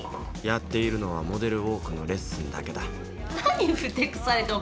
やっているのはモデルウォークのレッスンだけだ何ふてくされて。